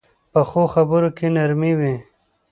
پخو خبرو کې نرمي وي